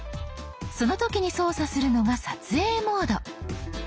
その時に操作するのが撮影モード。